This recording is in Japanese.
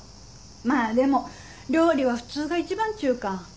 まあでも料理は普通が一番ちいうか。